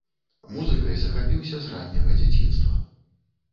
Музыкай захапіўся з ранняга дзяцінства.